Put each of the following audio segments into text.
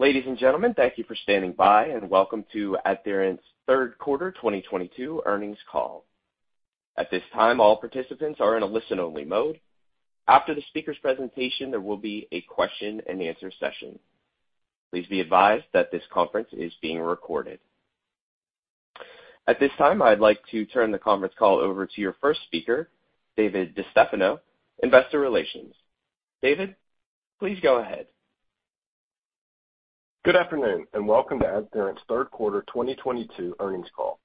Ladies and gentlemen, thank you for standing by and welcome to AdTheorent's third quarter 2022 earnings call. At this time, all participants are in a listen-only mode. After the speaker's presentation, there will be a question-and-answer session. Please be advised that this conference is being recorded. At this time, I'd like to turn the conference call over to your first speaker, David DeStefano, Investor Relations. David, please go ahead. Good afternoon, and welcome to AdTheorent's third quarter 2022 earnings call.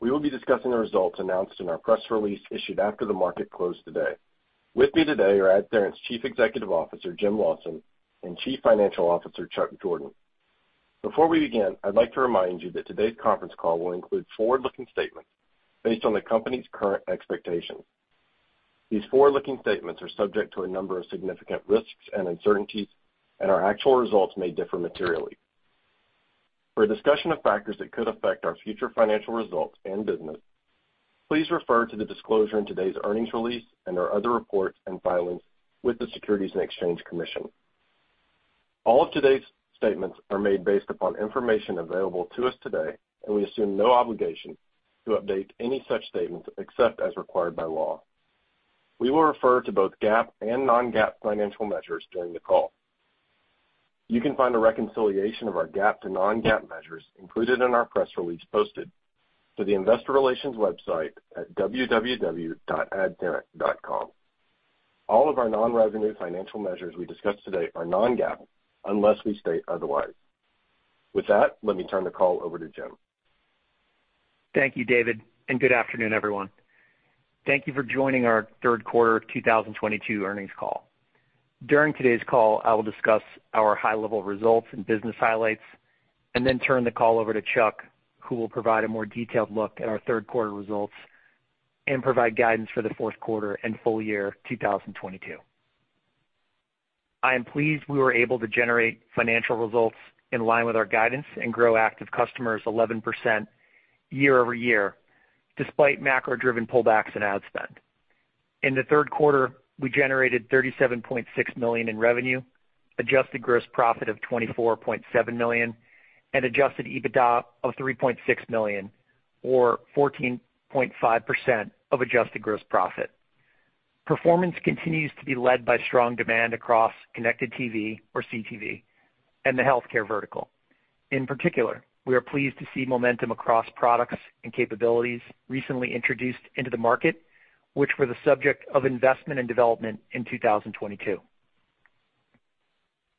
We will be discussing the results announced in our press release issued after the market closed today. With me today are AdTheorent's Chief Executive Officer, Jim Lawson, and Chief Financial Officer, Chuck Jordan. Before we begin, I'd like to remind you that today's conference call will include forward-looking statements based on the company's current expectations. These forward-looking statements are subject to a number of significant risks and uncertainties, and our actual results may differ materially. For a discussion of factors that could affect our future financial results and business, please refer to the disclosure in today's earnings release and our other reports and filings with the Securities and Exchange Commission. All of today's statements are made based upon information available to us today, and we assume no obligation to update any such statements except as required by law. We will refer to both GAAP and non-GAAP financial measures during the call. You can find a reconciliation of our GAAP to non-GAAP measures included in our press release posted to the investor relations website at www.adtheorent.com. All of our non-revenue financial measures we discuss today are non-GAAP, unless we state otherwise. With that, let me turn the call over to Jim. Thank you, David, and good afternoon, everyone. Thank you for joining our third quarter 2022 earnings call. During today's call, I will discuss our high-level results and business highlights, and then turn the call over to Chuck, who will provide a more detailed look at our third quarter results and provide guidance for the fourth quarter and full year 2022. I am pleased we were able to generate financial results in line with our guidance and grow active customers 11% year-over-year, despite macro-driven pullbacks in ad spend. In the third quarter, we generated $37.6 million in revenue, adjusted gross profit of $24.7 million, and adjusted EBITDA of $3.6 million or 14.5% of adjusted gross profit. Performance continues to be led by strong demand across connected TV, or CTV, and the healthcare vertical. In particular, we are pleased to see momentum across products and capabilities recently introduced into the market, which were the subject of investment and development in 2022.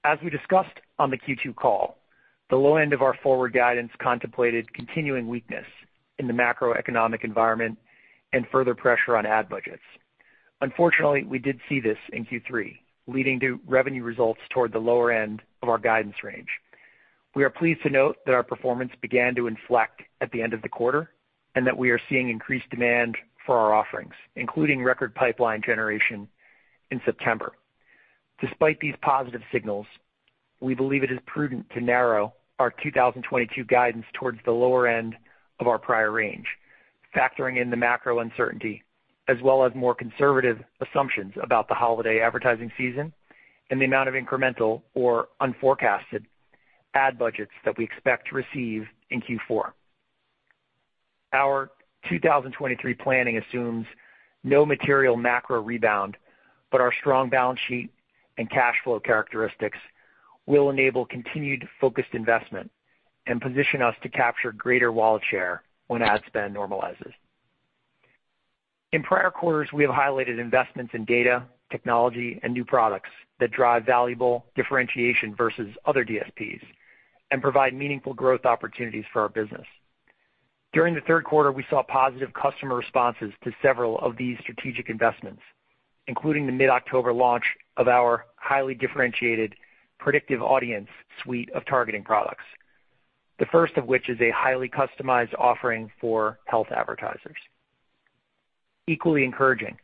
As we discussed on the Q2 call, the low end of our forward guidance contemplated continuing weakness in the macroeconomic environment and further pressure on ad budgets. Unfortunately, we did see this in Q3, leading to revenue results toward the lower end of our guidance range. We are pleased to note that our performance began to inflect at the end of the quarter, and that we are seeing increased demand for our offerings, including record pipeline generation in September. Despite these positive signals, we believe it is prudent to narrow our 2022 guidance towards the lower end of our prior range, factoring in the macro uncertainty as well as more conservative assumptions about the holiday advertising season and the amount of incremental or unforecasted ad budgets that we expect to receive in Q4. Our 2023 planning assumes no material macro rebound, but our strong balance sheet and cash flow characteristics will enable continued focused investment and position us to capture greater wallet share when ad spend normalizes. In prior quarters, we have highlighted investments in data, technology, and new products that drive valuable differentiation versus other DSPs and provide meaningful growth opportunities for our business. During the third quarter, we saw positive customer responses to several of these strategic investments, including the mid-October launch of our highly differentiated predictive audience suite of targeting products, the first of which is a highly customized offering for health advertisers. Equally encouraging,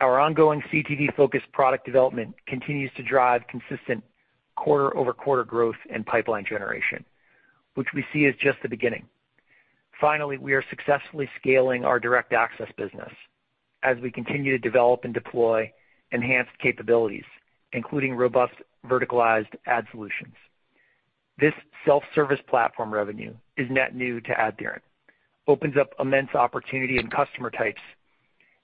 our ongoing CTV-focused product development continues to drive consistent quarter-over-quarter growth and pipeline generation, which we see as just the beginning. Finally, we are successfully scaling our Direct Access business as we continue to develop and deploy enhanced capabilities, including robust verticalized ad solutions. This self-service platform revenue is net new to AdTheorent, opens up immense opportunity in customer types,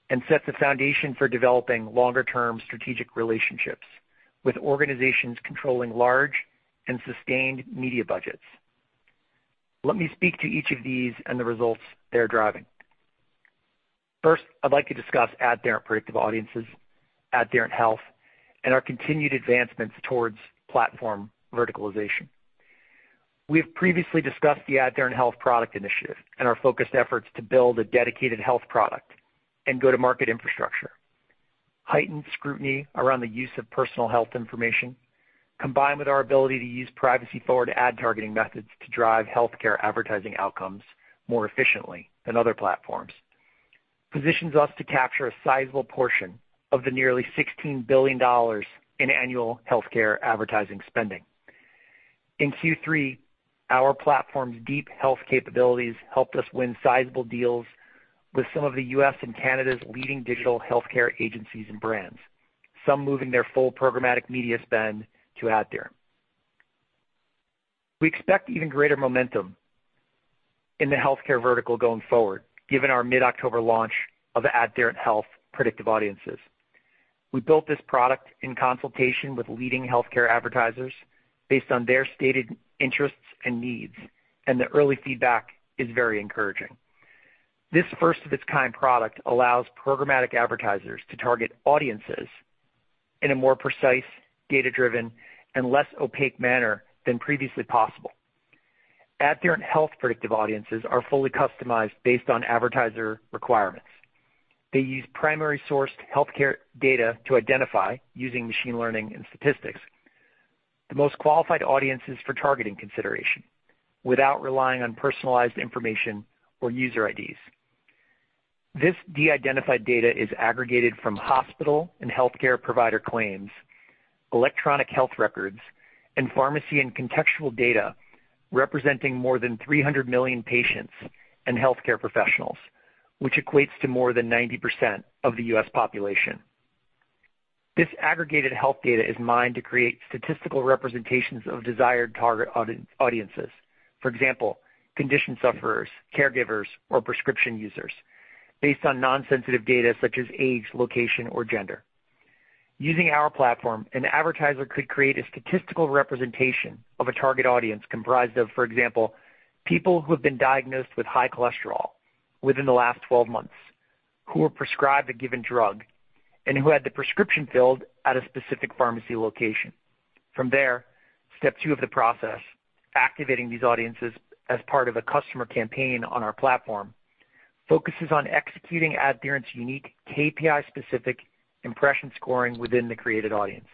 and sets a foundation for developing longer-term strategic relationships with organizations controlling large and sustained media budgets. Let me speak to each of these and the results they are driving. First, I'd like to discuss AdTheorent Predictive Audiences, AdTheorent Health, and our continued advancements towards platform verticalization. We have previously discussed the AdTheorent Health product initiative and our focused efforts to build a dedicated health product and go-to-market infrastructure. Heightened scrutiny around the use of personal health information, combined with our ability to use privacy-forward ad targeting methods to drive healthcare advertising outcomes more efficiently than other platforms, positions us to capture a sizable portion of the nearly $16 billion in annual healthcare advertising spending. In Q3, our platform's deep health capabilities helped us win sizable deals with some of the U.S. and Canada's leading digital healthcare agencies and brands, some moving their full programmatic media spend to AdTheorent. We expect even greater momentum in the healthcare vertical going forward, given our mid-October launch of AdTheorent Health Predictive Audiences. We built this product in consultation with leading healthcare advertisers based on their stated interests and needs, and the early feedback is very encouraging. This first-of-its-kind product allows programmatic advertisers to target audiences in a more precise, data-driven, and less opaque manner than previously possible. AdTheorent Health Predictive Audiences are fully customized based on advertiser requirements. They use primary sourced healthcare data to identify, using machine learning and statistics, the most qualified audiences for targeting consideration without relying on personalized information or user IDs. This de-identified data is aggregated from hospital and healthcare provider claims, electronic health records, and pharmacy and contextual data representing more than 300 million patients and healthcare professionals, which equates to more than 90% of the U.S. population. This aggregated health data is mined to create statistical representations of desired target audiences. For example, condition sufferers, caregivers, or prescription users based on non-sensitive data such as age, location, or gender. Using our platform, an advertiser could create a statistical representation of a target audience comprised of, for example, people who have been diagnosed with high cholesterol within the last 12 months, who were prescribed a given drug, and who had the prescription filled at a specific pharmacy location. From there, step 2 of the process, activating these audiences as part of a customer campaign on our platform, focuses on executing AdTheorent's unique KPI-specific impression scoring within the created audience.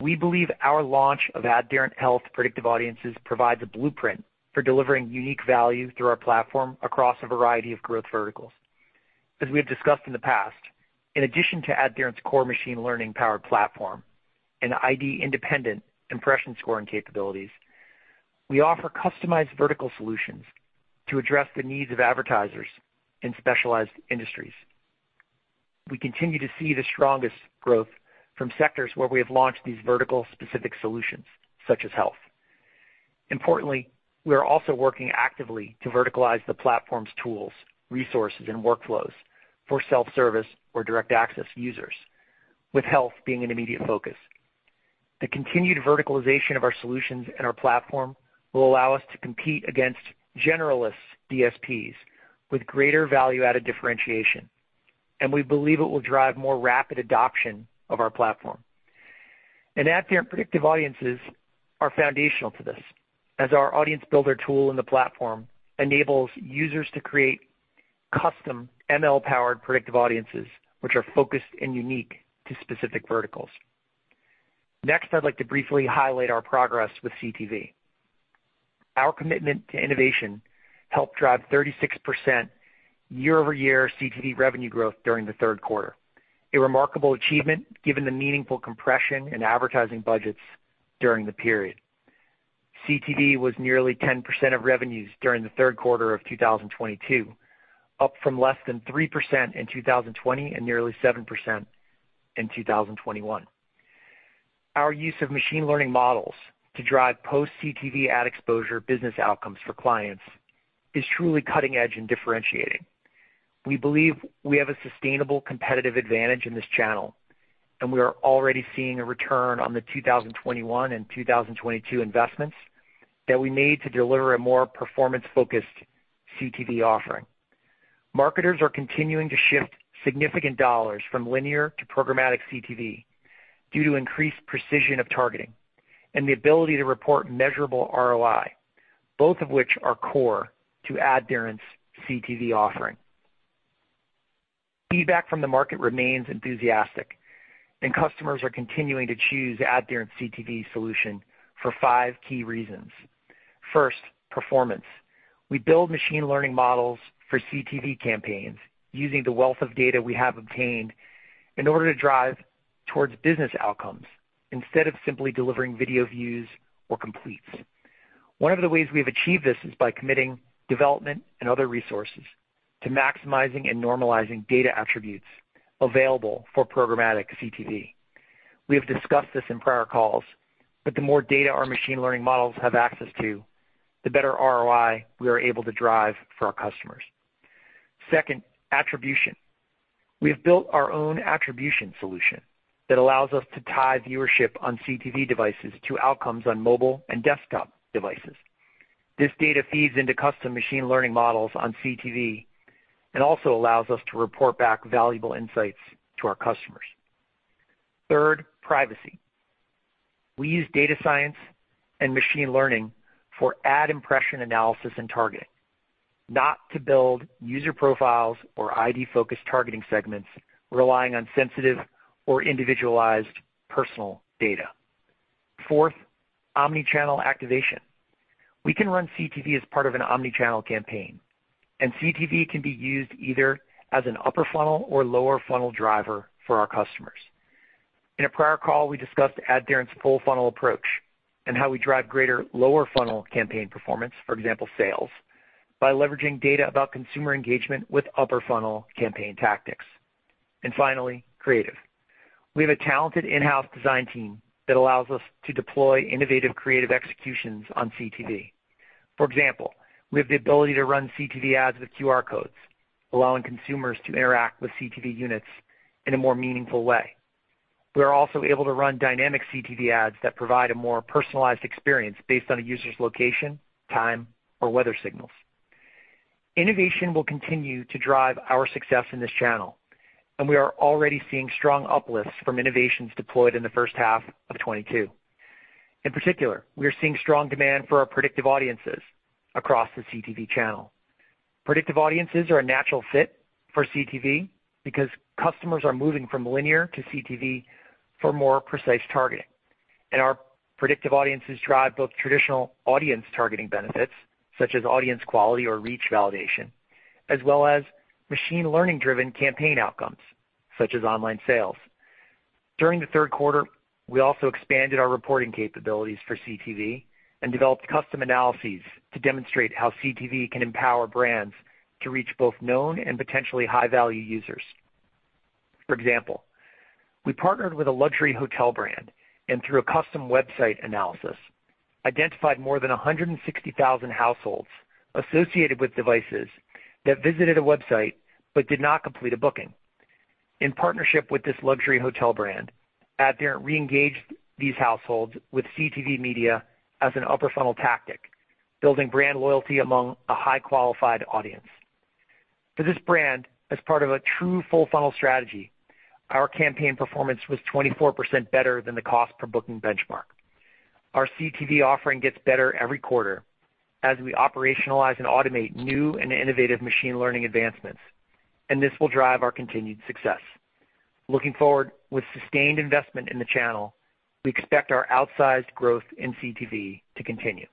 We believe our launch of AdTheorent Health Predictive Audiences provides a blueprint for delivering unique value through our platform across a variety of growth verticals. As we have discussed in the past, in addition to AdTheorent's core machine learning-powered platform and ID-independent impression scoring capabilities, we offer customized vertical solutions to address the needs of advertisers in specialized industries. We continue to see the strongest growth from sectors where we have launched these vertical-specific solutions, such as health. Importantly, we are also working actively to verticalize the platform's tools, resources, and workflows for self-service or direct access users, with health being an immediate focus. The continued verticalization of our solutions and our platform will allow us to compete against generalist DSPs with greater value-added differentiation, and we believe it will drive more rapid adoption of our platform. AdTheorent Predictive Audiences are foundational to this, as our audience builder tool in the platform enables users to create custom ML-powered Predictive Audiences, which are focused and unique to specific verticals. Next, I'd like to briefly highlight our progress with CTV. Our commitment to innovation helped drive 36% year-over-year CTV revenue growth during the third quarter. A remarkable achievement given the meaningful compression in advertising budgets during the period. CTV was nearly 10% of revenues during the third quarter of 2022, up from less than 3% in 2020 and nearly 7% in 2021. Our use of machine learning models to drive post-CTV ad exposure business outcomes for clients is truly cutting-edge and differentiating. We believe we have a sustainable competitive advantage in this channel, and we are already seeing a return on the 2021 and 2022 investments that we made to deliver a more performance-focused CTV offering. Marketers are continuing to shift significant dollars from linear to programmatic CTV due to increased precision of targeting and the ability to report measurable ROI, both of which are core to AdTheorent's CTV offering. Feedback from the market remains enthusiastic, and customers are continuing to choose AdTheorent's CTV solution for five key reasons. First, performance. We build machine learning models for CTV campaigns using the wealth of data we have obtained in order to drive towards business outcomes instead of simply delivering video views or completes. One of the ways we have achieved this is by committing development and other resources to maximizing and normalizing data attributes available for programmatic CTV. We have discussed this in prior calls, but the more data our machine learning models have access to, the better ROI we are able to drive for our customers. Second, attribution. We have built our own attribution solution that allows us to tie viewership on CTV devices to outcomes on mobile and desktop devices. This data feeds into custom machine learning models on CTV and also allows us to report back valuable insights to our customers. Third, privacy. We use data science and machine learning for ad impression analysis and targeting, not to build user profiles or ID-focused targeting segments relying on sensitive or individualized personal data. Fourth, omni-channel activation. We can run CTV as part of an omni-channel campaign, and CTV can be used either as an upper funnel or lower funnel driver for our customers. In a prior call, we discussed AdTheorent's full funnel approach and how we drive greater lower funnel campaign performance, for example, sales, by leveraging data about consumer engagement with upper funnel campaign tactics. Finally, creative. We have a talented in-house design team that allows us to deploy innovative creative executions on CTV. For example, we have the ability to run CTV ads with QR codes, allowing consumers to interact with CTV units in a more meaningful way. We are also able to run dynamic CTV ads that provide a more personalized experience based on a user's location, time, or weather signals. Innovation will continue to drive our success in this channel, and we are already seeing strong uplifts from innovations deployed in the first half of 2022. In particular, we are seeing strong demand for our Predictive Audiences across the CTV channel. Predictive audiences are a natural fit for CTV because customers are moving from linear to CTV for more precise targeting. Our Predictive Audiences drive both traditional audience targeting benefits, such as audience quality or reach validation, as well as machine learning-driven campaign outcomes, such as online sales. During the third quarter, we also expanded our reporting capabilities for CTV and developed custom analyses to demonstrate how CTV can empower brands to reach both known and potentially high-value users. For example, we partnered with a luxury hotel brand and through a custom website analysis, identified more than 160,000 households associated with devices that visited a website but did not complete a booking. In partnership with this luxury hotel brand, AdTheorent re-engaged these households with CTV media as an upper funnel tactic, building brand loyalty among a highly qualified audience. For this brand, as part of a true full-funnel strategy, our campaign performance was 24% better than the cost per booking benchmark. Our CTV offering gets better every quarter as we operationalize and automate new and innovative machine learning advancements, and this will drive our continued success. Looking forward, with sustained investment in the channel, we expect our outsized growth in CTV to continue.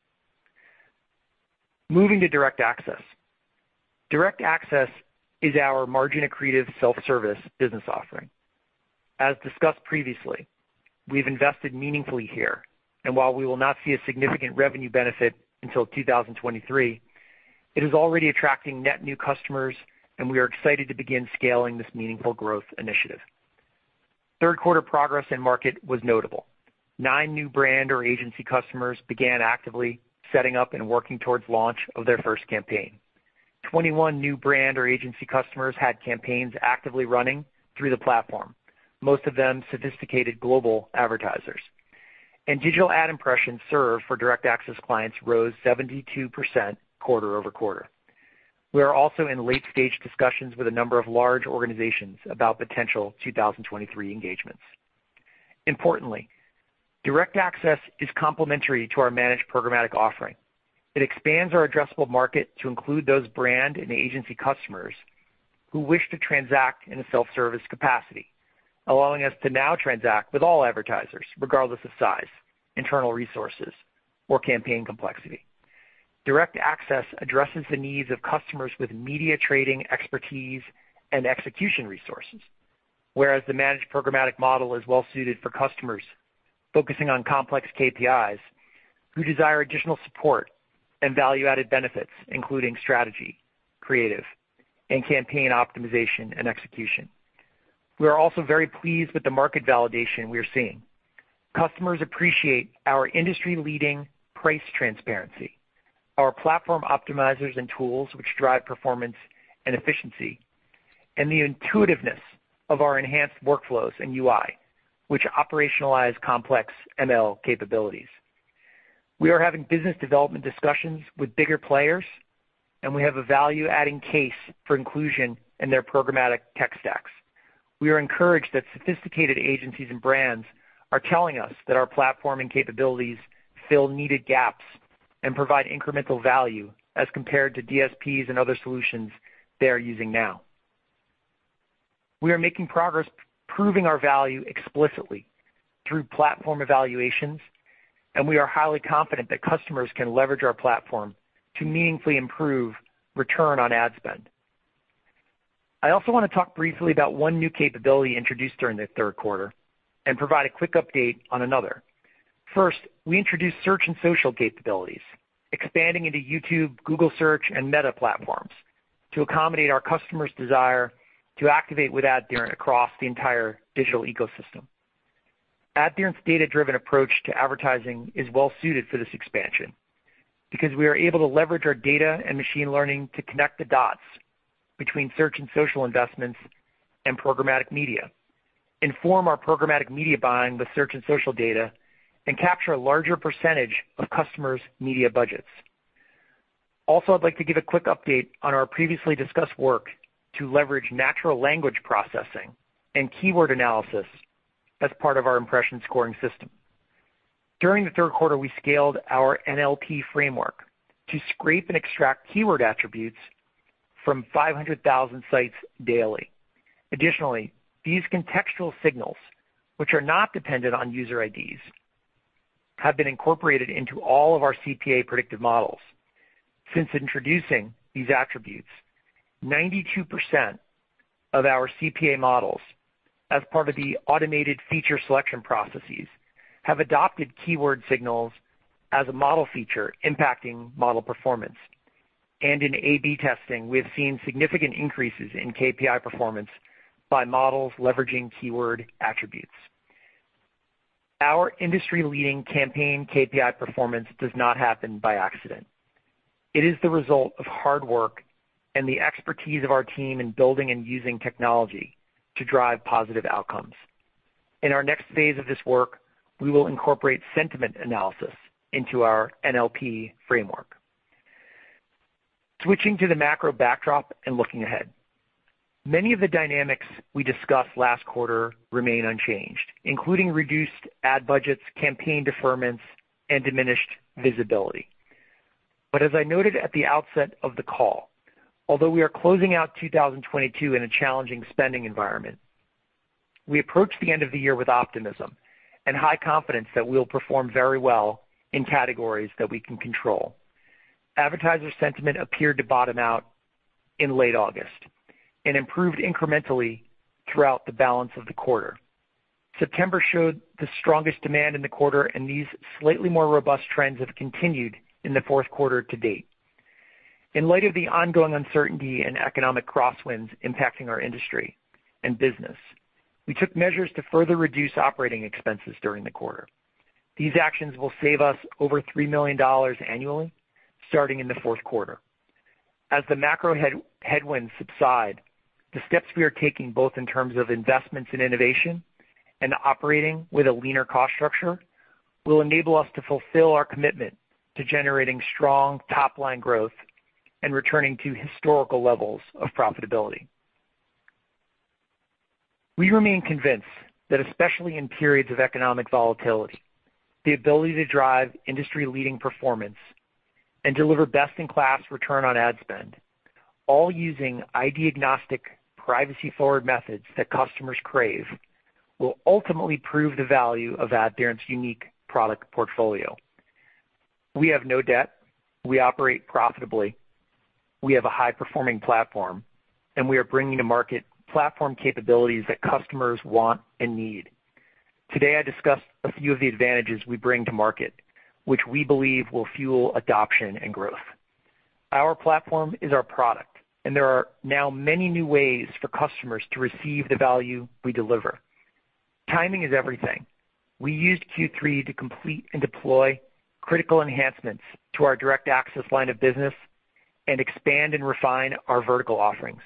Moving to direct access. Direct access is our margin-accretive self-service business offering. As discussed previously, we've invested meaningfully here, and while we will not see a significant revenue benefit until 2023, it is already attracting net new customers, and we are excited to begin scaling this meaningful growth initiative. Third quarter progress in-market was notable. Nine new brand or agency customers began actively setting up and working towards launch of their first campaign. 21 new brand or agency customers had campaigns actively running through the platform, most of them sophisticated global advertisers. Digital ad impressions served for Direct Access clients rose 72% quarter-over-quarter. We are also in late-stage discussions with a number of large organizations about potential 2023 engagements. Importantly, Direct Access is complementary to our managed programmatic offering. It expands our addressable market to include those brand and agency customers who wish to transact in a self-service capacity, allowing us to now transact with all advertisers, regardless of size, internal resources, or campaign complexity. Direct Access addresses the needs of customers with media trading expertise and execution resources, whereas the managed programmatic model is well-suited for customers focusing on complex KPIs who desire additional support and value-added benefits, including strategy, creative, and campaign optimization and execution. We are also very pleased with the market validation we are seeing. Customers appreciate our industry-leading price transparency, our platform optimizers and tools which drive performance and efficiency, and the intuitiveness of our enhanced workflows and UI, which operationalize complex ML capabilities. We are having business development discussions with bigger players, and we have a value-adding case for inclusion in their programmatic tech stacks. We are encouraged that sophisticated agencies and brands are telling us that our platform and capabilities fill needed gaps and provide incremental value as compared to DSPs and other solutions they are using now. We are making progress proving our value explicitly through platform evaluations, and we are highly confident that customers can leverage our platform to meaningfully improve return on ad spend. I also want to talk briefly about one new capability introduced during the third quarter and provide a quick update on another. First, we introduced search and social capabilities, expanding into YouTube, Google Search, and Meta platforms to accommodate our customers' desire to activate with AdTheorent across the entire digital ecosystem. AdTheorent's data-driven approach to advertising is well-suited for this expansion because we are able to leverage our data and machine learning to connect the dots between search and social investments and programmatic media, inform our programmatic media buying with search and social data, and capture a larger percentage of customers' media budgets. Also, I'd like to give a quick update on our previously discussed work to leverage natural language processing and keyword analysis as part of our impression scoring system. During the third quarter, we scaled our NLP framework to scrape and extract keyword attributes from 500,000 sites daily. Additionally, these contextual signals, which are not dependent on user IDs, have been incorporated into all of our CPA predictive models. Since introducing these attributes, 92% of our CPA models, as part of the automated feature selection processes, have adopted keyword signals as a model feature impacting model performance. In A/B testing, we have seen significant increases in KPI performance by models leveraging keyword attributes. Our industry-leading campaign KPI performance does not happen by accident. It is the result of hard work and the expertise of our team in building and using technology to drive positive outcomes. In our next phase of this work, we will incorporate sentiment analysis into our NLP framework. Switching to the macro backdrop and looking ahead. Many of the dynamics we discussed last quarter remain unchanged, including reduced ad budgets, campaign deferments, and diminished visibility. As I noted at the outset of the call, although we are closing out 2022 in a challenging spending environment, we approach the end of the year with optimism and high confidence that we will perform very well in categories that we can control. Advertiser sentiment appeared to bottom out in late August and improved incrementally throughout the balance of the quarter. September showed the strongest demand in the quarter, and these slightly more robust trends have continued in the fourth quarter to date. In light of the ongoing uncertainty and economic crosswinds impacting our industry and business, we took measures to further reduce operating expenses during the quarter. These actions will save us over $3 million annually starting in the fourth quarter. As the macro headwinds subside, the steps we are taking, both in terms of investments in innovation and operating with a leaner cost structure, will enable us to fulfill our commitment to generating strong top-line growth and returning to historical levels of profitability. We remain convinced that, especially in periods of economic volatility, the ability to drive industry-leading performance and deliver best-in-class return on ad spend, all using ID-agnostic, privacy-forward methods that customers crave, will ultimately prove the value of AdTheorent's unique product portfolio. We have no debt, we operate profitably, we have a high-performing platform, and we are bringing to market platform capabilities that customers want and need. Today, I discussed a few of the advantages we bring to market, which we believe will fuel adoption and growth. Our platform is our product, and there are now many new ways for customers to receive the value we deliver. Timing is everything. We used Q3 to complete and deploy critical enhancements to our direct access line of business and expand and refine our vertical offerings,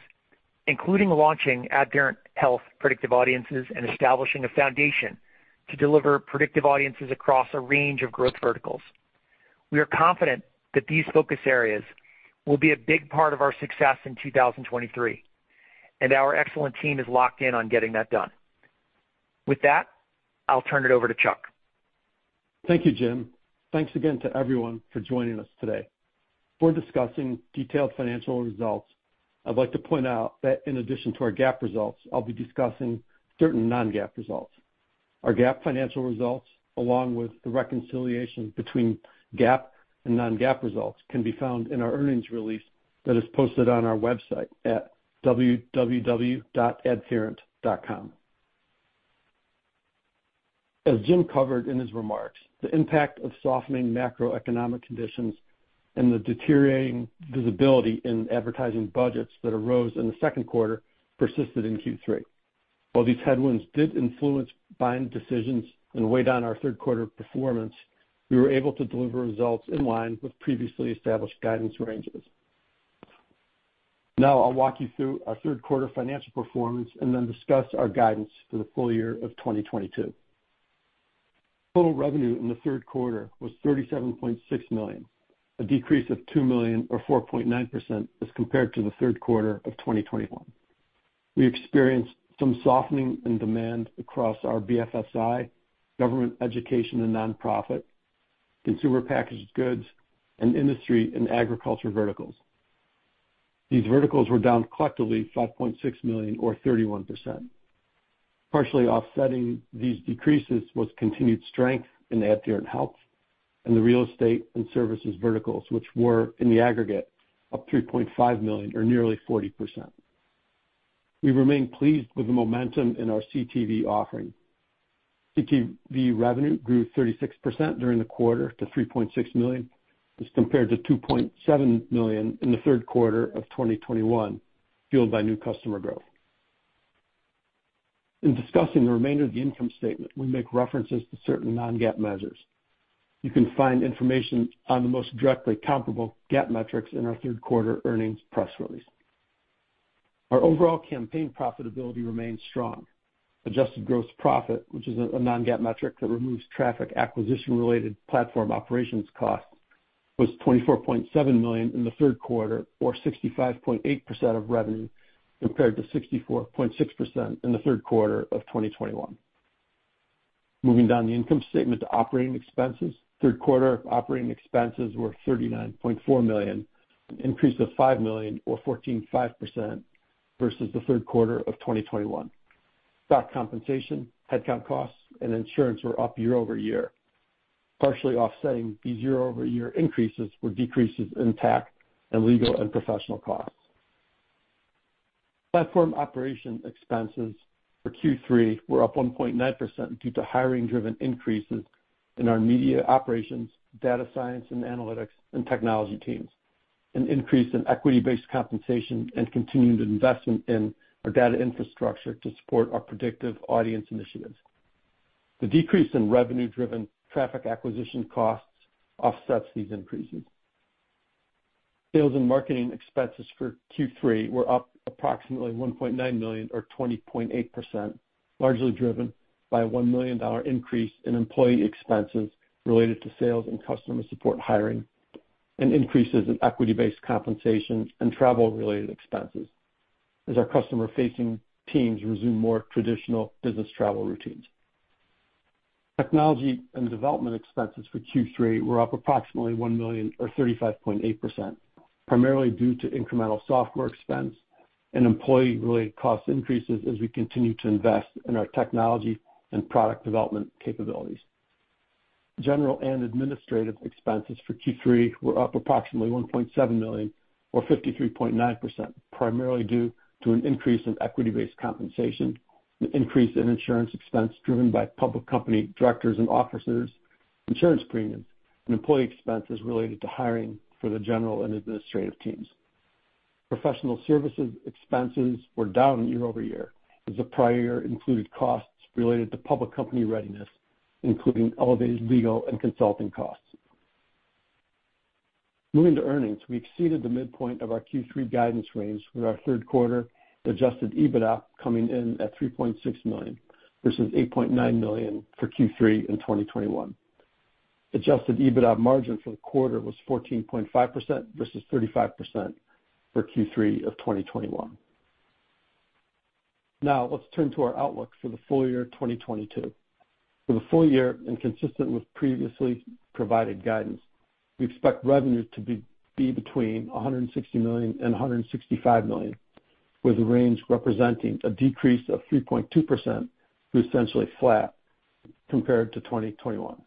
including launching AdTheorent Health Predictive Audiences and establishing a foundation to deliver Predictive Audiences across a range of growth verticals. We are confident that these focus areas will be a big part of our success in 2023, and our excellent team is locked in on getting that done. With that, I'll turn it over to Chuck. Thank you, Jim. Thanks again to everyone for joining us today. Before discussing detailed financial results, I'd like to point out that in addition to our GAAP results, I'll be discussing certain non-GAAP results. Our GAAP financial results, along with the reconciliation between GAAP and non-GAAP results, can be found in our earnings release that is posted on our website at www.adtheorent.com. As Jim covered in his remarks, the impact of softening macroeconomic conditions and the deteriorating visibility in advertising budgets that arose in the second quarter persisted in Q3. While these headwinds did influence buying decisions and weighed on our third quarter performance, we were able to deliver results in line with previously established guidance ranges. Now I'll walk you through our third quarter financial performance and then discuss our guidance for the full year of 2022. Total revenue in the third quarter was $37.6 million, a decrease of $2 million or 4.9% as compared to the third quarter of 2021. We experienced some softening in demand across our BFSI, government, education and nonprofit, consumer packaged goods, and industry and agriculture verticals. These verticals were down collectively $5.6 million or 31%. Partially offsetting these decreases was continued strength in the AdTheorent Health and the real estate and services verticals, which were, in the aggregate, up $3.5 million or nearly 40%. We remain pleased with the momentum in our CTV offering. CTV revenue grew 36% during the quarter to $3.6 million as compared to $2.7 million in the third quarter of 2021, fueled by new customer growth. In discussing the remainder of the income statement, we make references to certain non-GAAP measures. You can find information on the most directly comparable GAAP metrics in our third quarter earnings press release. Our overall campaign profitability remains strong. Adjusted gross profit, which is a non-GAAP metric that removes traffic acquisition-related platform operations costs, was $24.7 million in the third quarter or 65.8% of revenue compared to 64.6% in the third quarter of 2021. Moving down the income statement to operating expenses. Third quarter operating expenses were $39.4 million, an increase of $5 million or 14.5% versus the third quarter of 2021. Stock compensation, headcount costs and insurance were up year-over-year. Partially offsetting these year-over-year increases were decreases in TAC and legal and professional costs. Platform operation expenses for Q3 were up 1.9% due to hiring driven increases in our media operations, data science and analytics and technology teams, an increase in equity-based compensation and continued investment in our data infrastructure to support our predictive audience initiatives. The decrease in revenue driven traffic acquisition costs offsets these increases. Sales and marketing expenses for Q3 were up approximately $1.9 million or 20.8%, largely driven by a $1 million increase in employee expenses related to sales and customer support hiring, and increases in equity-based compensation and travel related expenses as our customer-facing teams resume more traditional business travel routines. Technology and development expenses for Q3 were up approximately $1 million or 35.8%, primarily due to incremental software expense and employee-related cost increases as we continue to invest in our technology and product development capabilities. General and administrative expenses for Q3 were up approximately $1.7 million or 53.9%, primarily due to an increase in equity-based compensation, an increase in insurance expense driven by public company directors and officers insurance premiums and employee expenses related to hiring for the general and administrative teams. Professional services expenses were down year-over-year as the prior year included costs related to public company readiness, including elevated legal and consulting costs. Moving to earnings, we exceeded the midpoint of our Q3 guidance range with our third quarter adjusted EBITDA coming in at $3.6 million versus $8.9 million for Q3 in 2021. Adjusted EBITDA margin for the quarter was 14.5% versus 35% for Q3 of 2021. Now, let's turn to our outlook for the full year 2022. For the full year and consistent with previously provided guidance, we expect revenue to be between $160 million and $165 million, with the range representing a decrease of 3.2% to essentially flat compared to 2021.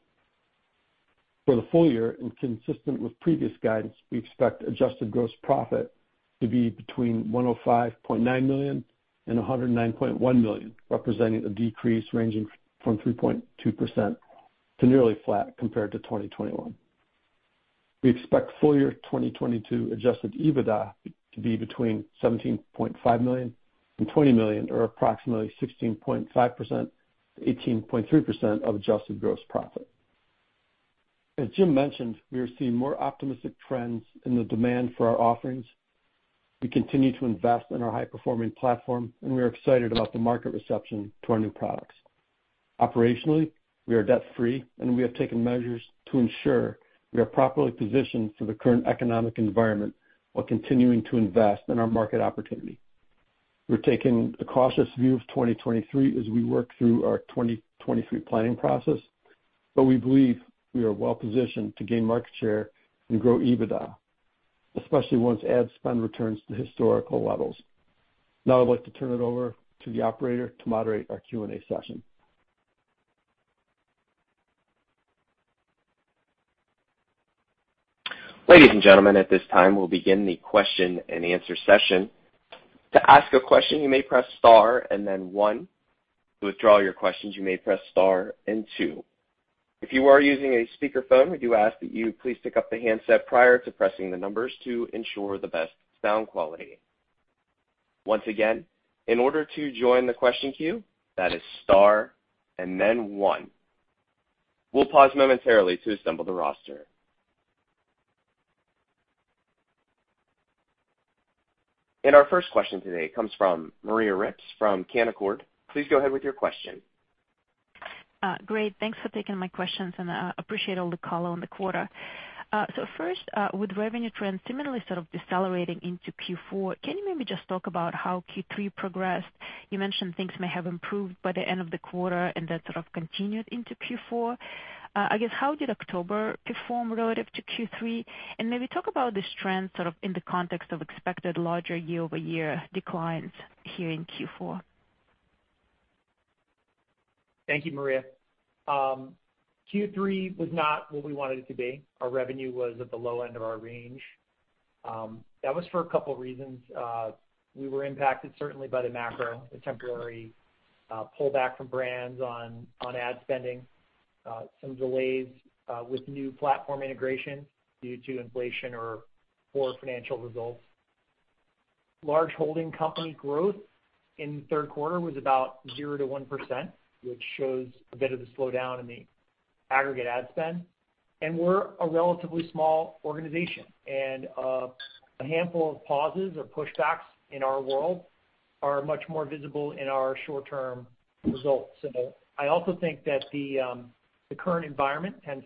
For the full year, and consistent with previous guidance, we expect adjusted gross profit to be between $105.9 million and $109.1 million, representing a decrease ranging from 3.2% to nearly flat compared to 2021. We expect full year 2022 adjusted EBITDA to be between $17.5 million and $20 million, or approximately 16.5% to 18.3% of adjusted gross profit. As Jim mentioned, we are seeing more optimistic trends in the demand for our offerings. We continue to invest in our high performing platform, and we are excited about the market reception to our new products. Operationally, we are debt-free, and we have taken measures to ensure we are properly positioned for the current economic environment while continuing to invest in our market opportunity. We're taking a cautious view of 2023 as we work through our 2023 planning process, but we believe we are well positioned to gain market share and grow EBITDA, especially once ad spend returns to historical levels. Now I'd like to turn it over to the operator to moderate our Q&A session. Ladies and gentlemen, at this time, we'll begin the question-and-answer session. To ask a question, you may press star and then 1. To withdraw your questions, you may press star and 2. If you are using a speakerphone, we do ask that you please pick up the handset prior to pressing the numbers to ensure the best sound quality. Once again, in order to join the question queue, that is star and then one. We'll pause momentarily to assemble the roster. Our first question today comes from Maria Ripps from Canaccord Genuity. Please go ahead with your question. Great. Thanks for taking my questions, and appreciate all the color on the quarter. First, with revenue trends similarly sort of decelerating into Q4, can you maybe just talk about how Q3 progressed? You mentioned things may have improved by the end of the quarter and that sort of continued into Q4. I guess how did October perform relative to Q3? Maybe talk about this trend sort of in the context of expected larger year-over-year declines here in Q4. Thank you, Maria. Q3 was not what we wanted it to be. Our revenue was at the low end of our range. That was for a couple reasons. We were impacted certainly by the macro, the temporary pullback from brands on ad spending, some delays with new platform integration due to inflation or poor financial results. Large holding company growth in the third quarter was about 0%-1%, which shows a bit of a slowdown in the aggregate ad spend. We're a relatively small organization and a handful of pauses or pushbacks in our world are much more visible in our short-term results. I also think that the current environment tends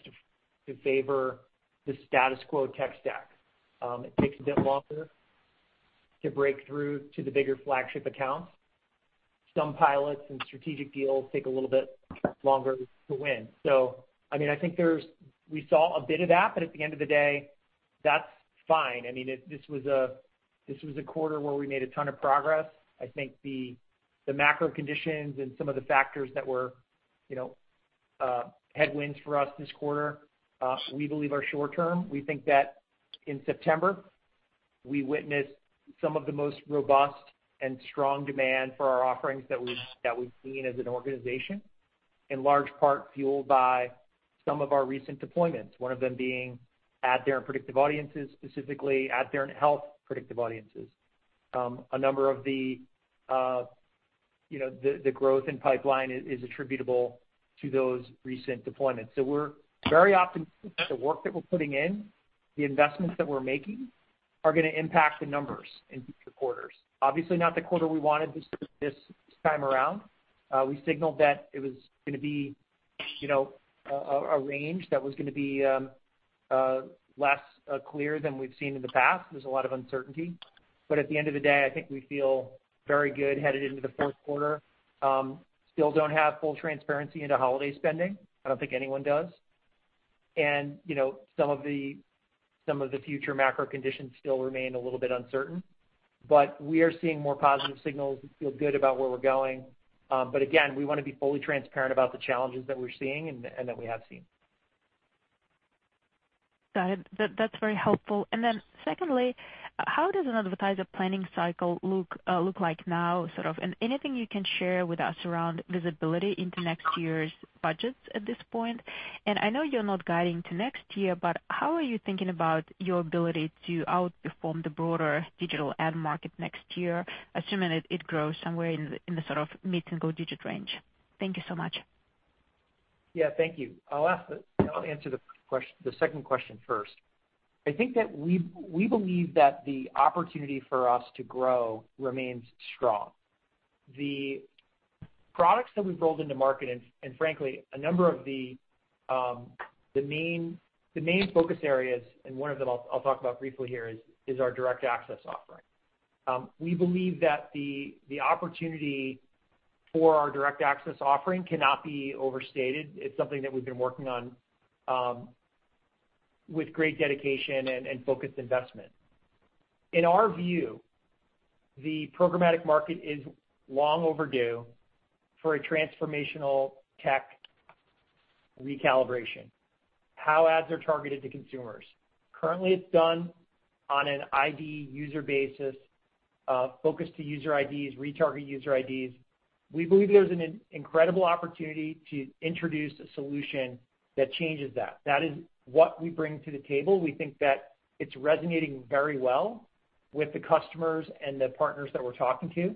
to favor the status quo tech stack. It takes a bit longer to break through to the bigger flagship accounts. Some pilots and strategic deals take a little bit longer to win. I mean, I think there's. We saw a bit of that, but at the end of the day, that's fine. I mean, this was a quarter where we made a ton of progress. I think the macro conditions and some of the factors that were headwinds for us this quarter, we believe are short-term. We think that in September, we witnessed some of the most robust and strong demand for our offerings that we've seen as an organization, in large part fueled by some of our recent deployments, one of them being AdTheorent Predictive Audiences, specifically AdTheorent Health Predictive Audiences. A number of the, you know, the growth in pipeline is attributable to those recent deployments. We're very optimistic the work that we're putting in, the investments that we're making are gonna impact the numbers in future quarters. Obviously not the quarter we wanted this time around. We signaled that it was gonna be, you know, a range that was gonna be less clear than we've seen in the past. There's a lot of uncertainty. At the end of the day, I think we feel very good headed into the fourth quarter. Still don't have full transparency into holiday spending. I don't think anyone does. You know, some of the future macro conditions still remain a little bit uncertain. We are seeing more positive signals and feel good about where we're going. Again, we wanna be fully transparent about the challenges that we're seeing and that we have seen. Got it. That's very helpful. Secondly, how does an advertiser planning cycle look like now, sort of? Anything you can share with us around visibility into next year's budgets at this point? I know you're not guiding to next year, but how are you thinking about your ability to outperform the broader digital ad market next year, assuming it grows somewhere in the sort of mid-single digit range? Thank you so much. Yeah, thank you. I'll answer the second question first. I think that we believe that the opportunity for us to grow remains strong. The products that we've rolled into market and frankly, a number of the main focus areas, and one of them I'll talk about briefly here, is our direct access offering. We believe that the opportunity for our direct access offering cannot be overstated. It's something that we've been working on with great dedication and focused investment. In our view, the programmatic market is long overdue for a transformational tech recalibration, how ads are targeted to consumers. Currently, it's done on an ID user basis, focus to user IDs, retarget user IDs. We believe there's an incredible opportunity to introduce a solution that changes that. That is what we bring to the table. We think that it's resonating very well with the customers and the partners that we're talking to.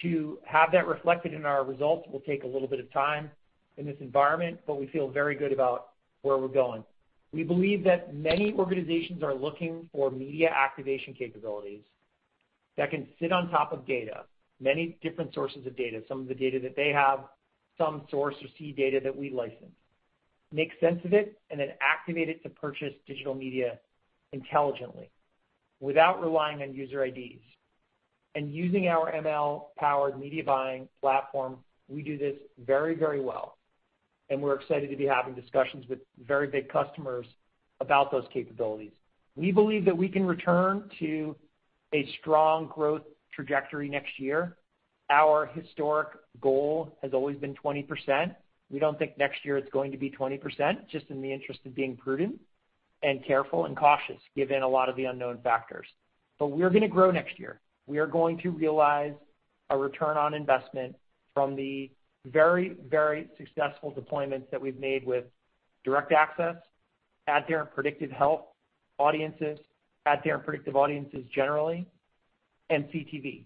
To have that reflected in our results will take a little bit of time in this environment, but we feel very good about where we're going. We believe that many organizations are looking for media activation capabilities that can sit on top of data, many different sources of data, some of the data that they have, some first- or third-party data that we license, make sense of it and then activate it to purchase digital media intelligently without relying on user IDs. Using our ML-powered media buying platform, we do this very, very well, and we're excited to be having discussions with very big customers about those capabilities. We believe that we can return to a strong growth trajectory next year. Our historic goal has always been 20%. We don't think next year it's going to be 20%, just in the interest of being prudent and careful and cautious, given a lot of the unknown factors. We're gonna grow next year. We are going to realize a return on investment from the very, very successful deployments that we've made with Direct Access, AdTheorent Health Predictive Audiences, AdTheorent Predictive Audiences generally, and CTV.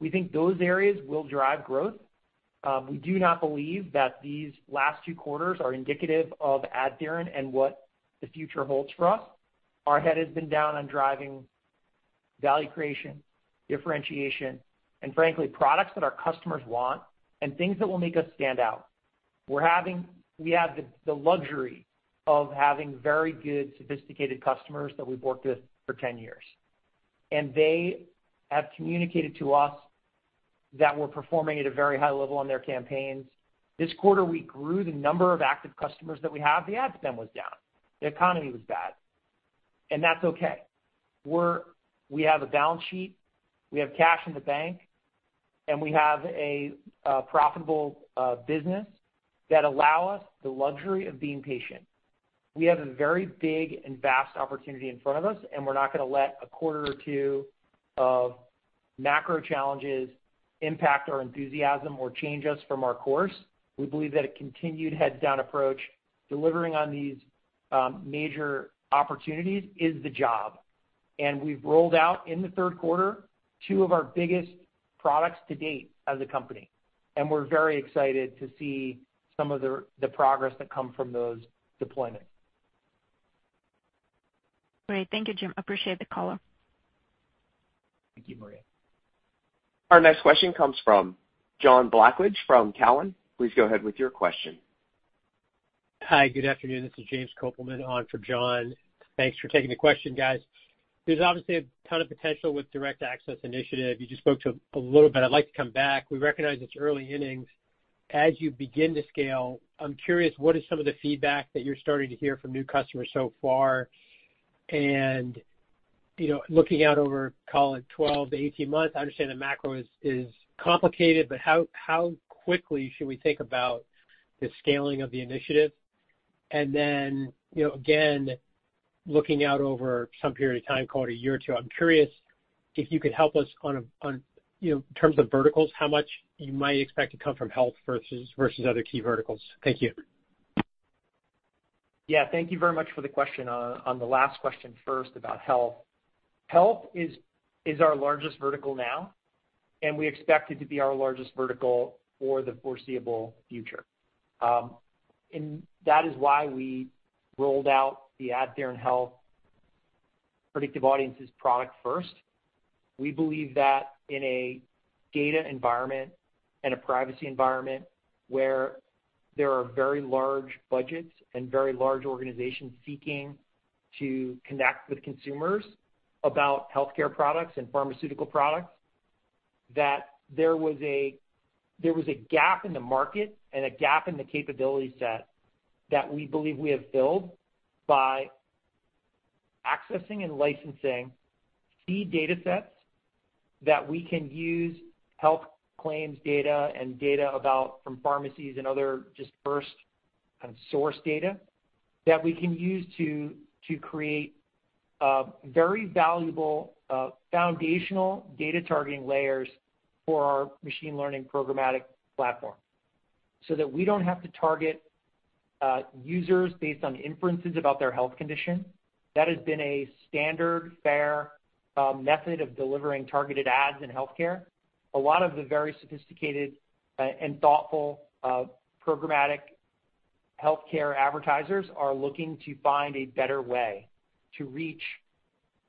We think those areas will drive growth. We do not believe that these last two quarters are indicative of AdTheorent and what the future holds for us. Our head has been down on driving value creation, differentiation, and frankly, products that our customers want and things that will make us stand out. We have the luxury of having very good, sophisticated customers that we've worked with for 10 years. They have communicated to us that we're performing at a very high level on their campaigns. This quarter, we grew the number of active customers that we have. The ad spend was down, the economy was bad, and that's okay. We have a balance sheet, we have cash in the bank, and we have a profitable business that allow us the luxury of being patient. We have a very big and vast opportunity in front of us, and we're not gonna let a quarter or two of macro challenges impact our enthusiasm or change us from our course. We believe that a continued heads down approach, delivering on these major opportunities is the job. We've rolled out in the third quarter two of our biggest products to date as a company, and we're very excited to see some of the progress that come from those deployments. Great. Thank you, Jim. Appreciate the call. Thank you, Maria. Our next question comes from John Blackledge from TD Cowen. Please go ahead with your question. Hi, good afternoon. This is James Kopelman on for John. Thanks for taking the question, guys. There's obviously a ton of potential with direct access initiative. You just spoke to a little bit. I'd like to come back. We recognize it's early innings. As you begin to scale, I'm curious, what is some of the feedback that you're starting to hear from new customers so far? You know, looking out over, call it, 12-18 months, I understand the macro is complicated, but how quickly should we think about the scaling of the initiative? You know, again, looking out over some period of time, call it a year or 2, I'm curious if you could help us on, you know, in terms of verticals, how much you might expect to come from health versus other key verticals. Thank you. Yeah, thank you very much for the question. On the last question first about health. Health is our largest vertical now, and we expect it to be our largest vertical for the foreseeable future. That is why we rolled out the AdTheorent Health Predictive Audiences product first. We believe that in a data environment and a privacy environment where there are very large budgets and very large organizations seeking to connect with consumers about healthcare products and pharmaceutical products, that there was a gap in the market and a gap in the capability set that we believe we have filled by accessing and licensing key datasets that we can use health claims data and data from pharmacies and other dispersed kind of source data that we can use to create very valuable foundational data targeting layers for our machine learning programmatic platform, so that we don't have to target users based on inferences about their health condition. That has been a standard fare method of delivering targeted ads in healthcare. A lot of the very sophisticated and thoughtful programmatic healthcare advertisers are looking to find a better way to reach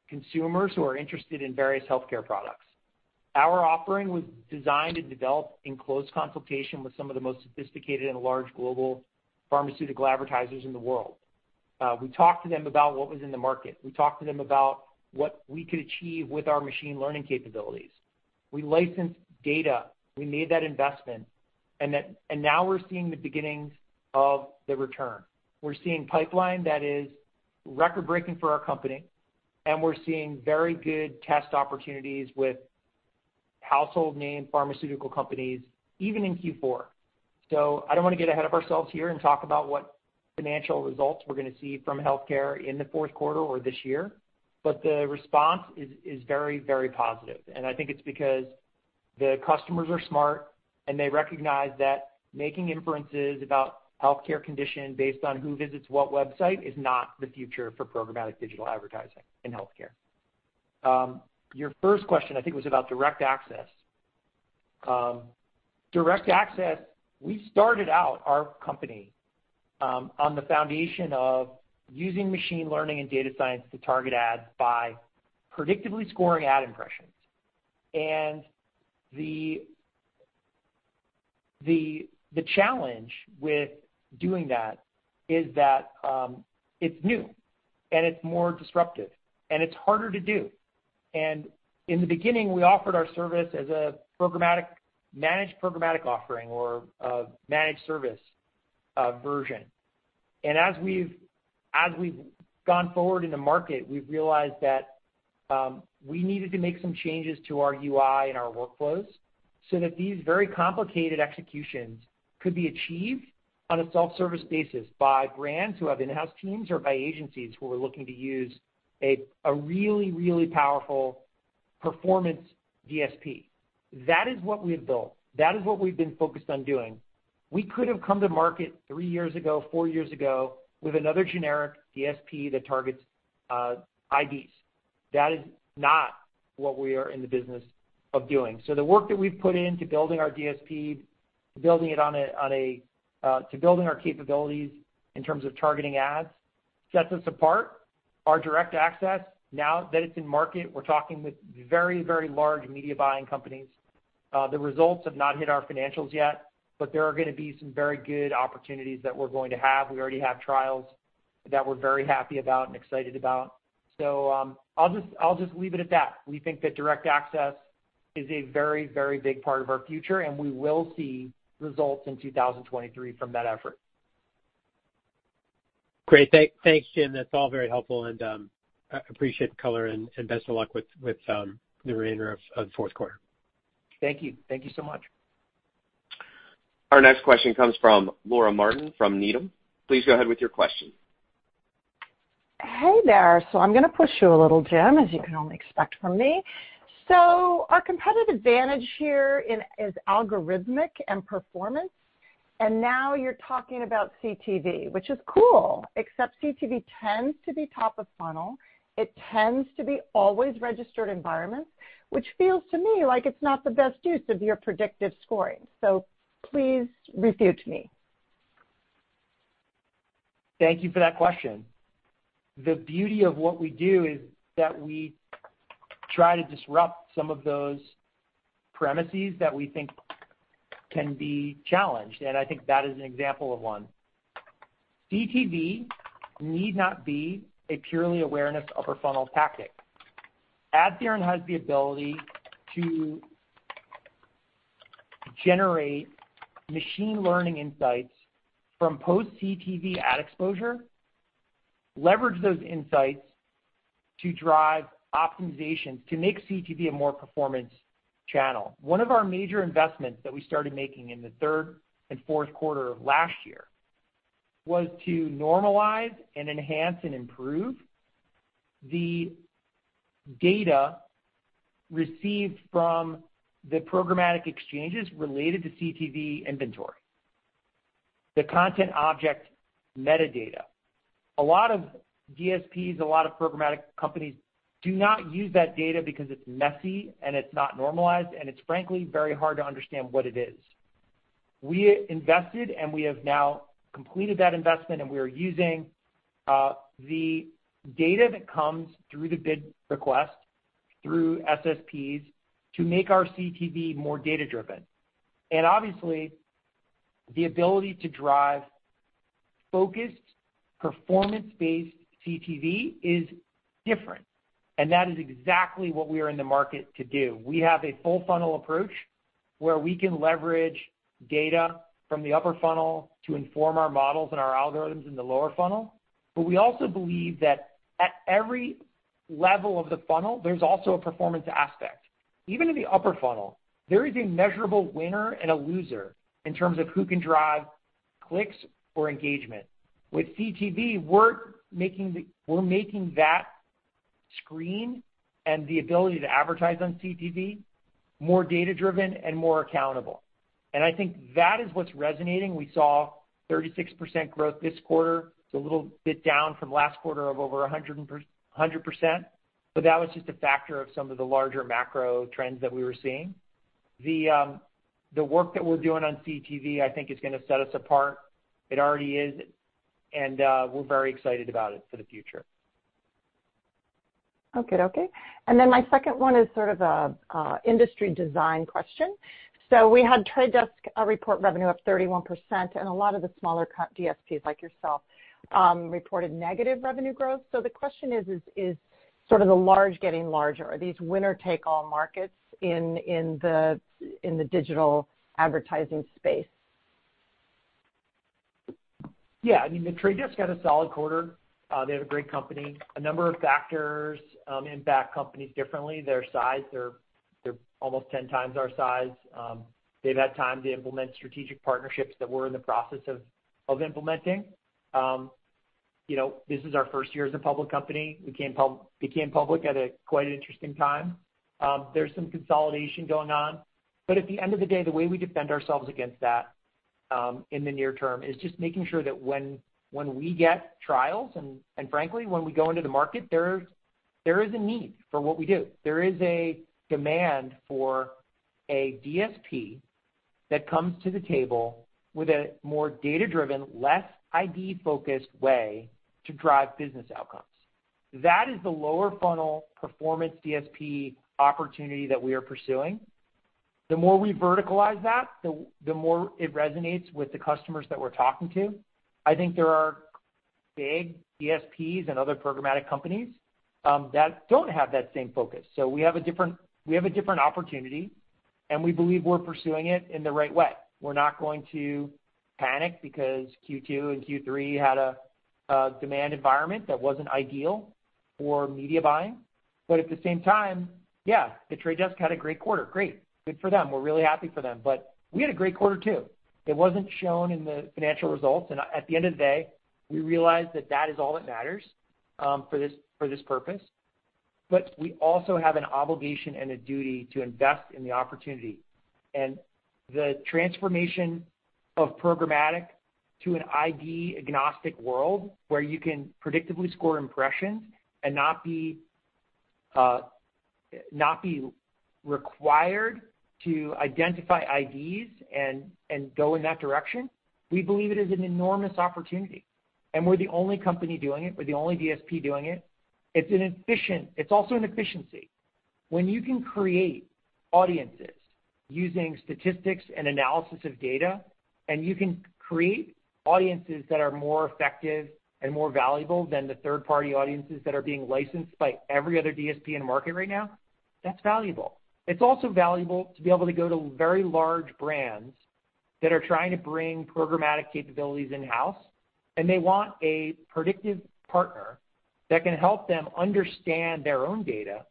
consumers who are interested in various healthcare products. Our offering was designed and developed in close consultation with some of the most sophisticated and large global pharmaceutical advertisers in the world. We talked to them about what was in the market. We talked to them about what we could achieve with our machine learning capabilities. We licensed data, we made that investment, and now we're seeing the beginnings of the return. We're seeing pipeline that is record-breaking for our company, and we're seeing very good test opportunities with household name pharmaceutical companies even in Q4. I don't wanna get ahead of ourselves here and talk about what financial results we're gonna see from healthcare in the fourth quarter or this year, but the response is very, very positive. I think it's because the customers are smart, and they recognize that making inferences about healthcare condition based on who visits what website is not the future for programmatic digital advertising in healthcare. Your first question, I think, was about direct access. Direct access, we started out our company on the foundation of using machine learning and data science to target ads by predictively scoring ad impressions. The challenge with doing that is that it's new and it's more disruptive and it's harder to do. In the beginning, we offered our service as a managed programmatic offering or a managed service version. As we've gone forward in the market, we've realized that we needed to make some changes to our UI and our workflows so that these very complicated executions could be achieved on a self-service basis by brands who have in-house teams or by agencies who are looking to use a really powerful performance DSP. That is what we have built. That is what we've been focused on doing. We could have come to market three years ago, four years ago, with another generic DSP that targets IDs. That is not what we are in the business of doing. The work that we've put in to building our DSP, building it on a to building our capabilities in terms of targeting ads, sets us apart. Our direct access, now that it's in market, we're talking with very, very large media buying companies. The results have not hit our financials yet, but there are gonna be some very good opportunities that we're going to have. We already have trials that we're very happy about and excited about. I'll just leave it at that. We think that direct access is a very, very big part of our future, and we will see results in 2023 from that effort. Great. Thanks, Jim. That's all very helpful and appreciate the color and best of luck with the remainder of the fourth quarter. Thank you. Thank you so much. Our next question comes from Laura Martin from Needham. Please go ahead with your question. Hey there. I'm gonna push you a little, Jim, as you can only expect from me. Our competitive advantage here in, is algorithmic and performance, and now you're talking about CTV, which is cool, except CTV tends to be top of funnel. It tends to be always registered environments, which feels to me like it's not the best use of your predictive scoring. Please refute me. Thank you for that question. The beauty of what we do is that we try to disrupt some of those premises that we think can be challenged, and I think that is an example of one. CTV need not be a purely awareness upper funnel tactic. AdTheorent has the ability to generate machine learning insights from post CTV ad exposure, leverage those insights to drive optimizations to make CTV a more performance channel. One of our major investments that we started making in the third and fourth quarter of last year was to normalize and enhance and improve the data received from the programmatic exchanges related to CTV inventory, the content object metadata. A lot of DSPs, a lot of programmatic companies do not use that data because it's messy and it's not normalized, and it's frankly very hard to understand what it is. We invested, and we have now completed that investment, and we are using the data that comes through the bid request through SSPs to make our CTV more data-driven. Obviously, the ability to drive focused performance-based CTV is different, and that is exactly what we are in the market to do. We have a full funnel approach where we can leverage data from the upper funnel to inform our models and our algorithms in the lower funnel. We also believe that at every level of the funnel, there's also a performance aspect. Even in the upper funnel, there is a measurable winner and a loser in terms of who can drive clicks or engagement. With CTV, we're making that screen and the ability to advertise on CTV more data-driven and more accountable. I think that is what's resonating. We saw 36% growth this quarter. It's a little bit down from last quarter of over 100%, but that was just a factor of some of the larger macro trends that we were seeing. The work that we're doing on CTV, I think, is gonna set us apart. It already is, and we're very excited about it for the future. Okey-dokey. My second one is sort of an industry dynamics question. We had The Trade Desk report revenue up 31%, and a lot of the smaller DSPs like yourself reported negative revenue growth. The question is sort of the large getting larger? Are these winner take all markets in the digital advertising space? Yeah. I mean, The Trade Desk had a solid quarter. They have a great company. A number of factors impact companies differently. Their size, they're almost 10 times our size. They've had time to implement strategic partnerships that we're in the process of implementing. You know, this is our first year as a public company. We became public at a quite interesting time. There's some consolidation going on. At the end of the day, the way we defend ourselves against that in the near term is just making sure that when we get trials, and frankly, when we go into the market, there is a need for what we do. There is a demand for a DSP that comes to the table with a more data-driven, less ID-focused way to drive business outcomes. That is the lower funnel performance DSP opportunity that we are pursuing. The more we verticalize that, the more it resonates with the customers that we're talking to. I think there are big DSPs and other programmatic companies that don't have that same focus. We have a different opportunity, and we believe we're pursuing it in the right way. We're not going to panic because Q2 and Q3 had a demand environment that wasn't ideal for media buying. At the same time, yeah, The Trade Desk had a great quarter. Great. Good for them. We're really happy for them. We had a great quarter too. It wasn't shown in the financial results. At the end of the day, we realized that that is all that matters for this purpose. We also have an obligation and a duty to invest in the opportunity. The transformation of programmatic to an ID agnostic world, where you can predictably score impressions and not be required to identify IDs and go in that direction, we believe it is an enormous opportunity, and we're the only company doing it. We're the only DSP doing it. It's also an efficiency. When you can create audiences using statistics and analysis of data, and you can create audiences that are more effective and more valuable than the third-party audiences that are being licensed by every other DSP in the market right now, that's valuable. It's also valuable to be able to go to very large brands that are trying to bring programmatic capabilities in-house, and they want a predictive partner that can help them understand their own data,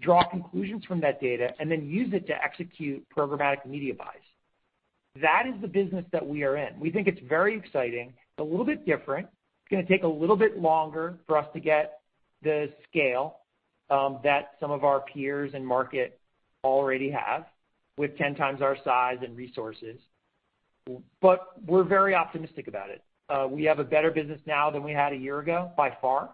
draw conclusions from that data, and then use it to execute programmatic media buys. That is the business that we are in. We think it's very exciting, a little bit different. It's gonna take a little bit longer for us to get the scale that some of our peers in market already have with ten times our size and resources. We're very optimistic about it. We have a better business now than we had a year ago by far.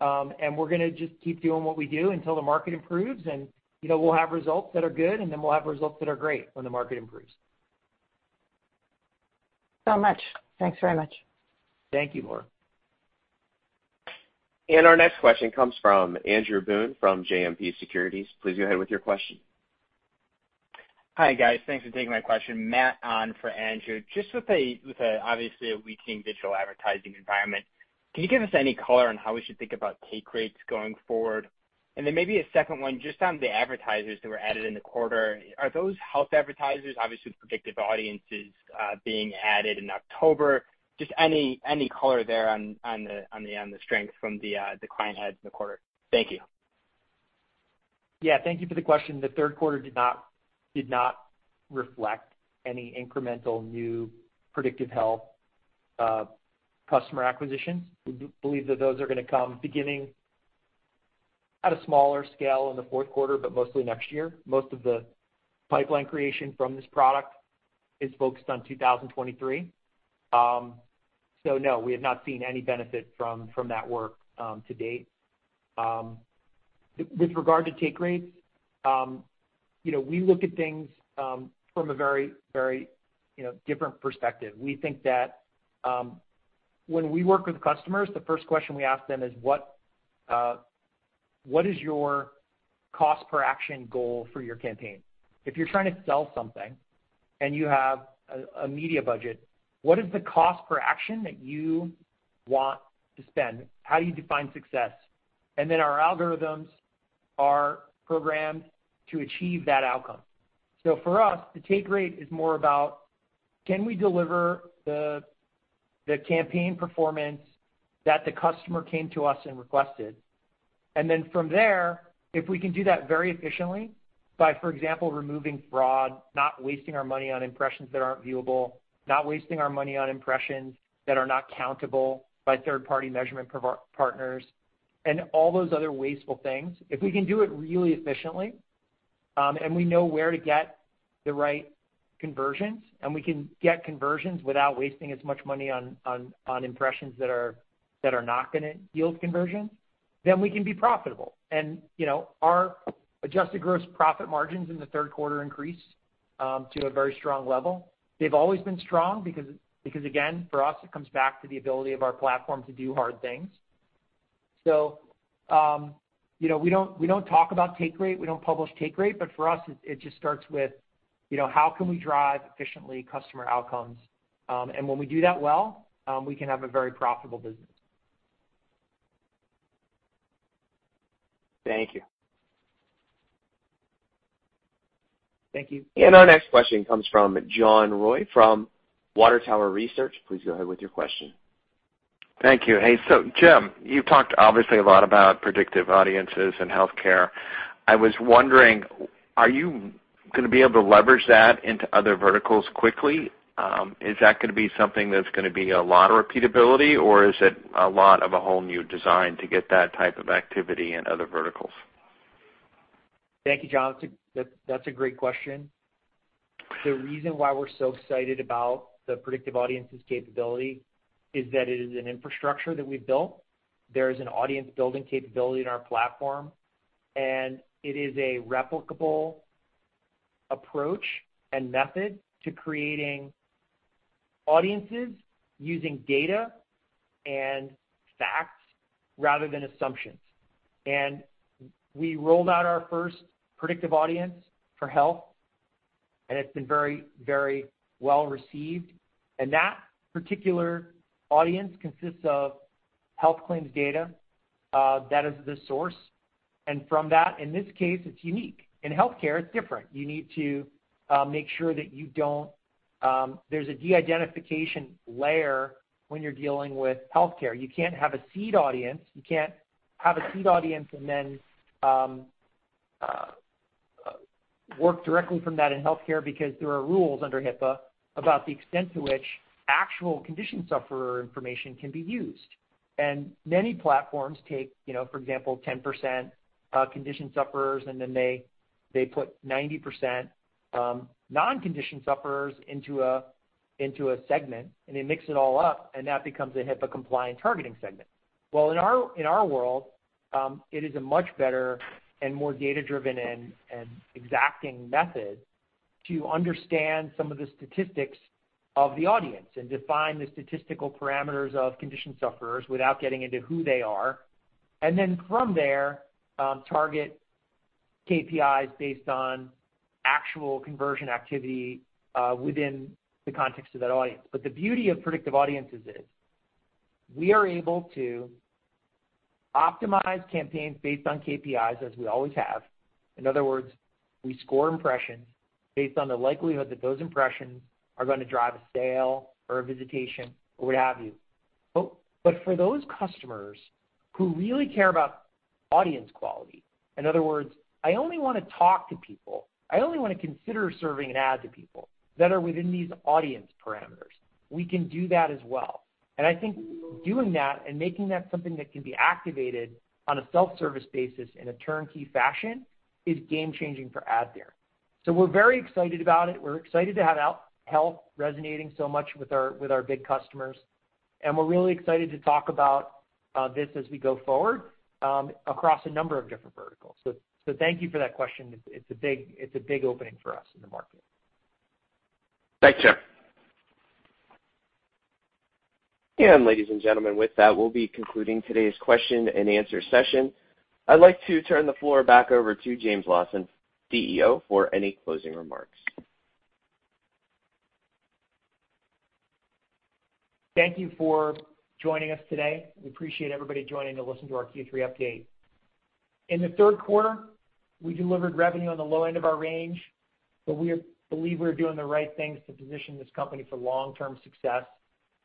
We're gonna just keep doing what we do until the market improves and, you know, we'll have results that are good, and then we'll have results that are great when the market improves. Much. Thanks very much. Thank you, Laura. Our next question comes from Andrew Boone from JMP Securities. Please go ahead with your question. Hi, guys. Thanks for taking my question. Matt on for Andrew. Just with obviously a weakening digital advertising environment, can you give us any color on how we should think about take rates going forward? Then maybe a second one just on the advertisers that were added in the quarter. Are those health advertisers, obviously the Predictive Audiences being added in October? Just any color there on the strength from the client adds in the quarter. Thank you. Yeah, thank you for the question. The third quarter did not reflect any incremental new predictive health customer acquisitions. We believe that those are gonna come beginning at a smaller scale in the fourth quarter, but mostly next year. Most of the pipeline creation from this product is focused on 2023. So no, we have not seen any benefit from that work to date. With regard to take rates, you know, we look at things from a very different perspective. We think that when we work with customers, the first question we ask them is what is your cost per action goal for your campaign? If you're trying to sell something and you have a media budget, what is the cost per action that you want to spend? How do you define success? Our algorithms are programmed to achieve that outcome. For us, the take rate is more about can we deliver the campaign performance that the customer came to us and requested? From there, if we can do that very efficiently by, for example, removing fraud, not wasting our money on impressions that aren't viewable, not wasting our money on impressions that are not countable by third-party measurement partners, and all those other wasteful things. If we can do it really efficiently and we know where to get the right conversions, and we can get conversions without wasting as much money on impressions that are not gonna yield conversions, then we can be profitable. You know, our adjusted gross profit margins in the third quarter increased to a very strong level. They've always been strong because again, for us, it comes back to the ability of our platform to do hard things. You know, we don't talk about take rate. We don't publish take rate. But for us, it just starts with, you know, how can we drive efficiently customer outcomes. When we do that well, we can have a very profitable business. Thank you. Thank you. Our next question comes from John Roy from Water Tower Research. Please go ahead with your question. Thank you. Hey. Jim, you talked obviously a lot about Predictive Audiences in healthcare. I was wondering, are you gonna be able to leverage that into other verticals quickly? Is that gonna be something that's gonna be a lot of repeatability, or is it a lot of a whole new design to get that type of activity in other verticals? Thank you, John. That's a great question. The reason why we're so excited about the Predictive Audiences capability is that it is an infrastructure that we've built. There is an audience-building capability in our platform, and it is a replicable approach and method to creating audiences using data and facts rather than assumptions. We rolled out our first predictive audience for health, and it's been very, very well received. That particular audience consists of health claims data, that is the source. From that, in this case, it's unique. In healthcare, it's different. You need to make sure that you don't, there's a de-identification layer when you're dealing with healthcare. You can't have a seed audience. You can't have a seed audience and then work directly from that in healthcare because there are rules under HIPAA about the extent to which actual condition sufferer information can be used. Many platforms take, you know, for example, 10%, condition sufferers, and then they put 90% non-condition sufferers into a segment, and they mix it all up, and that becomes a HIPAA-compliant targeting segment. Well, in our world, it is a much better and more data-driven and exacting method to understand some of the statistics of the audience and define the statistical parameters of condition sufferers without getting into who they are. Then from there, target KPIs based on actual conversion activity within the context of that audience. The beauty of Predictive Audiences is we are able to optimize campaigns based on KPIs as we always have. In other words, we score impressions based on the likelihood that those impressions are gonna drive a sale or a visitation or what have you. For those customers who really care about audience quality, in other words, I only wanna talk to people, I only wanna consider serving an ad to people that are within these audience parameters, we can do that as well. I think doing that and making that something that can be activated on a self-service basis in a turnkey fashion is game changing for AdTheorent. We're very excited about it. We're excited to have AdTheorent Health resonating so much with our big customers, and we're really excited to talk about this as we go forward across a number of different verticals. Thank you for that question. It's a big opening for us in the market. Thanks, Jim. Ladies and gentlemen, with that, we'll be concluding today's question and answer session. I'd like to turn the floor back over to James Lawson, CEO, for any closing remarks. Thank you for joining us today. We appreciate everybody joining to listen to our Q3 update. In the third quarter, we delivered revenue on the low end of our range, but we believe we are doing the right things to position this company for long-term success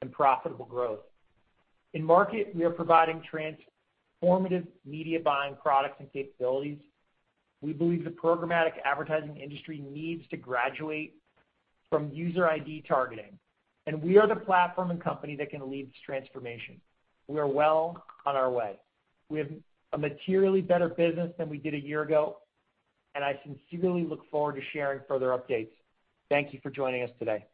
and profitable growth. In market, we are providing transformative media buying products and capabilities. We believe the programmatic advertising industry needs to graduate from user ID targeting, and we are the platform and company that can lead this transformation. We are well on our way. We have a materially better business than we did a year ago, and I sincerely look forward to sharing further updates. Thank you for joining us today.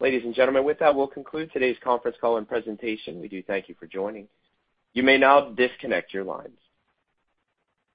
Ladies and gentlemen, with that, we'll conclude today's conference call and presentation. We do thank you for joining. You may now disconnect your lines.